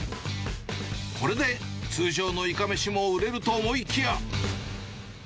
これで、通常のいかめしも売れると思いきや。